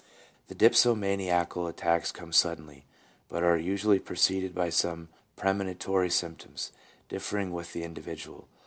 3 The dipsomaniacal attacks come suddenly, but are usually preceded by some premonitory symptoms, ; differing with the individual.